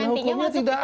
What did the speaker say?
kalau hukumnya tidak ada